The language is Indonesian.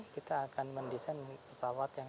kita akan mendesain pesawat yang